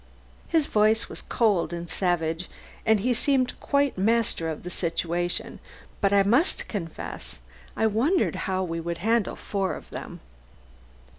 His voice was cold and savage and he seemed quite master of the situation, but I must confess I wondered how we could handle four of them.